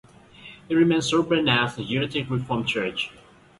It remains open as a United Reformed Church.